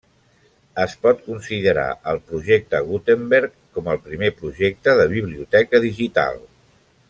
Es pot considerar el Projecte Gutenberg com el primer projecte de biblioteca digital.